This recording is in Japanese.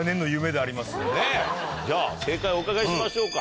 では正解をお伺いしましょうか。